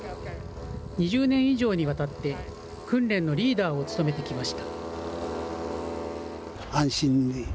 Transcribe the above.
２０年以上にわたって、訓練のリーダーを務めてきました。